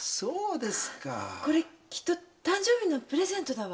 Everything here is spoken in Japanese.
これきっと誕生日のプレゼントだわ。